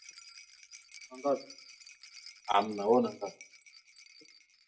kukuta watu wengi sana Kwanza baada ya kipindi hicho kupita kila mtu anashughulika na